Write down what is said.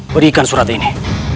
berikan surat ini